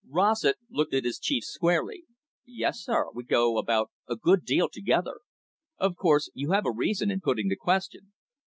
Rossett looked at his chief squarely. "Yes, sir, we go about a good deal together. Of course, you have a reason in putting the question."